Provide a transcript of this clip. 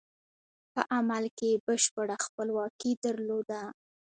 په عمل کې یې بشپړه خپلواکي درلوده.